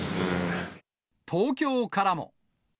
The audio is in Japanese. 東京からも。